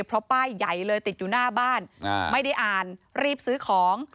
เพราะป้ายใหญ่เลยติดอยู่หน้าบ้านไม่ได้อ่านรีบซื้อของ